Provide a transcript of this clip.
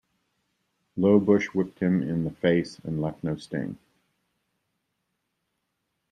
Low bush whipped him in the face and left no sting.